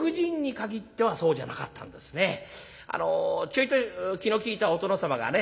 ちょいと気の利いたお殿様がね